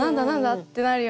ってなるような。